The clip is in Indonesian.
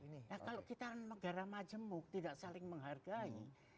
nah kalau kita negara majemuk tidak saling menghargai